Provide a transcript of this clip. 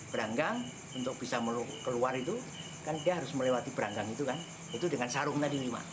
beranggang untuk bisa keluar itu kan dia harus melewati beranggang itu kan itu dengan sarung tadi lima